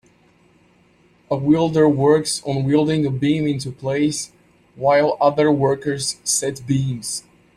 A wielder works on wielding a beam into place while other workers set beams.